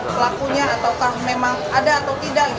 pelakunya ataukah memang ada atau tidak